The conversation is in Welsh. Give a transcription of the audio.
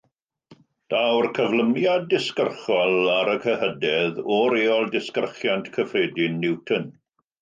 Daw'r "cyflymiad disgyrchol" ar y cyhydedd o reol disgyrchiant cyffredin Newton.